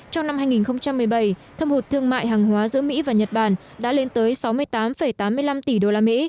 trong năm hai nghìn một mươi bảy thâm hụt thương mại hàng hóa giữa mỹ và nhật bản đã lên tới sáu mươi tám tám mươi năm tỷ usd